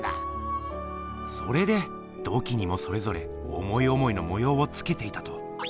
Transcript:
それで土器にもそれぞれ思い思いの模様をつけていたと。